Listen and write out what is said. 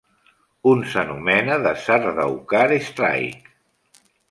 Un s'anomena "The Sardaukar Strike!".